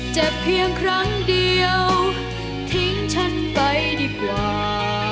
เจ็บเพียงครั้งเดียวทิ้งฉันไปดีกว่า